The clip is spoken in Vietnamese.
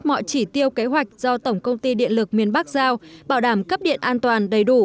mọi chỉ tiêu kế hoạch do tổng công ty điện lực miền bắc giao bảo đảm cấp điện an toàn đầy đủ